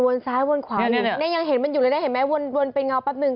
วนซ้ายวนขวาอยู่เนี่ยยังเห็นมันอยู่เลยได้เห็นมั้ยวนไปเงาปั๊บนึง